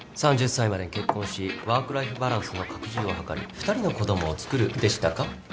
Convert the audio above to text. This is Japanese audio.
３０歳までに結婚しワークライフバランスの拡充を図り２人の子供を作るでしたか？